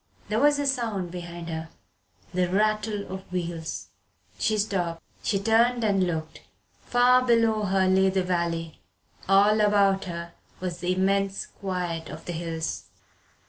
There was a sound behind her. The rattle of wheels. She stopped. She turned and looked. Far below her lay the valley all about her was the immense quiet of the hills.